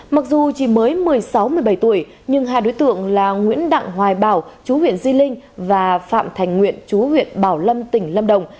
mặc dù chỉ mới một mươi sáu một mươi bảy tuổi nhưng hai đối tượng là nguyễn đặng hoài bảo chú huyện di linh và phạm thành nguyện chú huyện bảo lâm tỉnh lâm đồng